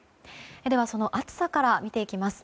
ではその暑さから見ていきます。